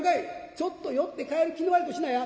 ちょっと寄って帰る気の悪いことしなや。